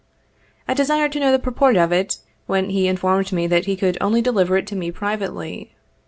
I desired to know the purport of it, when he informed me that he could only deliver it to me privately.